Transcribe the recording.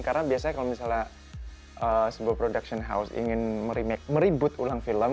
karena biasanya kalau misalnya sebuah production house ingin meribut ulang film